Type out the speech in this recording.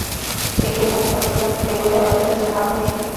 একই রকম পোশাক পরে থাকে বলে আলাদা করে চেনা আরও মুশকিল।